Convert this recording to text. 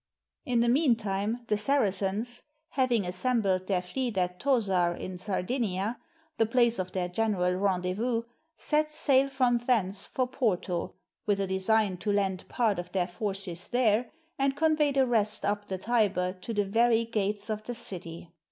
In the mean time the Saracens, having assembled their fleet at Tozar in Sardinia, the place of their general ren dezvous, set sail from thence for Porto, with a design to land part of their forces there, and convey the rest up the Tiber to the very gates of the city.